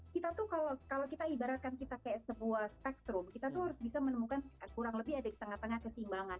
kita tuh kalau kita ibaratkan kita kayak sebuah spektrum kita tuh harus bisa menemukan kurang lebih ada di tengah tengah keseimbangan